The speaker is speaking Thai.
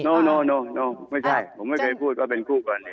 ไม่ใช่ผมไม่เคยพูดว่าเป็นคู่กรณี